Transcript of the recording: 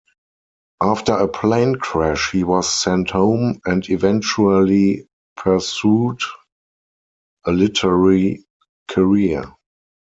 After a plane crash he was sent home, and eventually pursued a literary career.